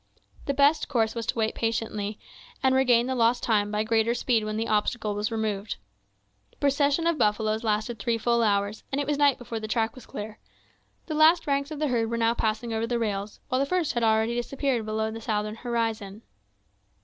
The best course was to wait patiently, and regain the lost time by greater speed when the obstacle was removed. The procession of buffaloes lasted three full hours, and it was night before the track was clear. The last ranks of the herd were now passing over the rails, while the first had already disappeared below the southern horizon.